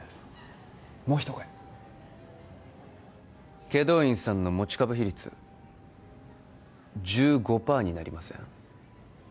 もう一声祁答院さんの持ち株比率１５パーになりません？